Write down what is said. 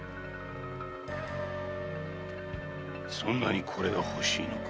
そんなにこれが欲しいのか？